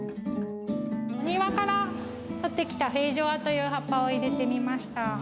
お庭から取ってきたベージュアという葉っぱを入れてみました。